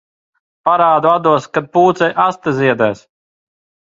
Parādu atdos, kad pūcei aste ziedēs.